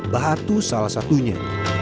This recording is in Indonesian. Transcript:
batu salah satunya